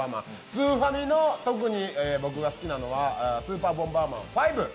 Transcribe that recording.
スーファミの僕が特に好きなのは「スーパーボンバーマン５」。